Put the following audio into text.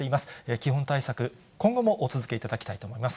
基本対策、今後もお続けいただきたいと思います。